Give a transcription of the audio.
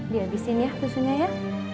di abisin ya rusuhnya ya